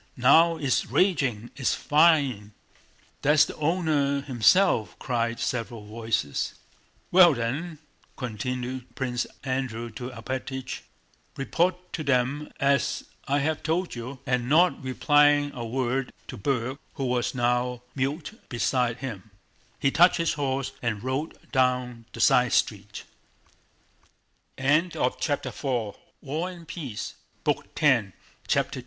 Now it's raging... It's fine!" "That's the owner himself," cried several voices. "Well then," continued Prince Andrew to Alpátych, "report to them as I have told you"; and not replying a word to Berg who was now mute beside him, he touched his horse and rode down the side street.